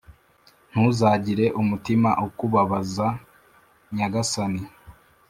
ntuzagire umutima ukubabaza Nyagasani